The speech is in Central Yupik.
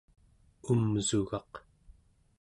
umsugaq